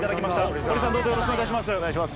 堀さん、どうぞよろしくお願いしお願いします。